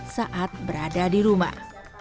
saat berada di rumah